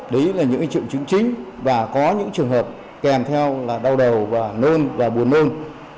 đấy là những triệu chứng chính và có những trường hợp kèm theo là đau đầu và nôn và buồn nôn